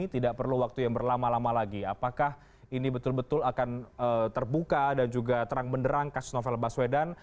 tidak perlu waktu yang berlama lama lagi apakah ini betul betul akan terbuka dan juga terang benderang kasus novel baswedan